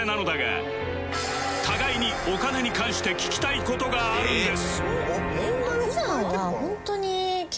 互いにお金に関して聞きたい事があるんです